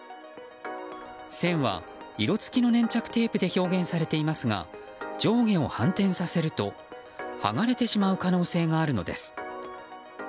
線は色付きの粘着テープで表現されていますが上下を反転させると剥がれてしまう可能性があるのです。